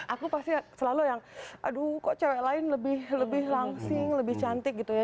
aku pasti selalu yang aduh kok cewek lain lebih langsing lebih cantik gitu ya